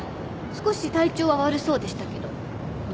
少し体調は悪そうでしたけど。